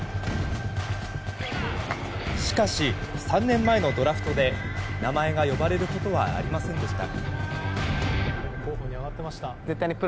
しかし、３年前のドラフトで名前が呼ばれることはありませんでした。